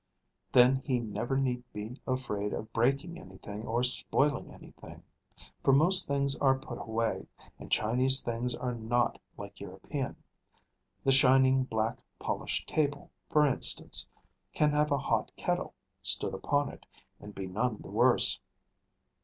Then he never need be afraid of breaking anything or spoiling anything; for most things are put away, and Chinese things are not like European: the shining black polished table, for instance, can have a hot kettle stood upon it, and be none the worse.